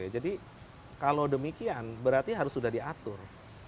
jadi kalau demikian berarti harus sudah diatur